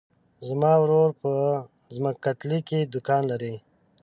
زما ورور په ځمکتلي کې دوکان لری.